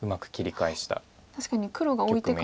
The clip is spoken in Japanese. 確かに黒がオイてから。